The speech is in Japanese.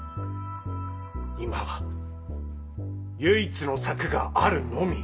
今は唯一の策があるのみ。